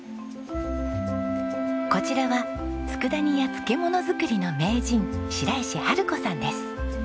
こちらは佃煮や漬物作りの名人白石春子さんです。